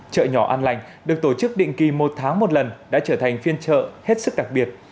chợ nhỏ an lành được tổ chức định kỳ một tháng một lần đã trở thành phiên trợ hết sức đặc biệt